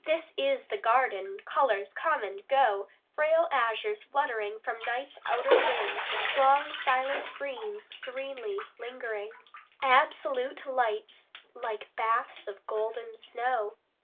This is the garden: colors come and go, Frail azures fluttering from night's outer wing, Strong silent greens serenely lingering, Absolute lights like baths of golden snow.